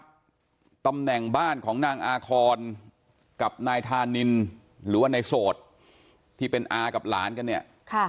สักครั้งนะครับตำแหน่งบ้านของนางอาคอนกับนายทานินหรือว่านายโสดที่เป็นอากับหลานกันเนี่ย